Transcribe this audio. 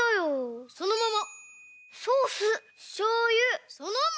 そのまま！